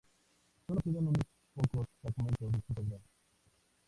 Sólo quedan unos pocos fragmentos de sus obras.